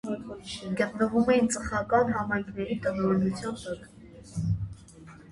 Գտնվում էին ծխական համայնքների տնօրինության տակ։